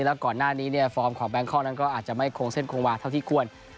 แล้วก่อนหน้านี้ฟอร์มของแบงค์คอลก็อาจจะไม่โค้งเส้นโค้งวาเท่าที่ควร